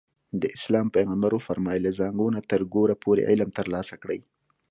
د اسلام پیغمبر وفرمایل له زانګو نه تر ګوره پورې علم ترلاسه کړئ.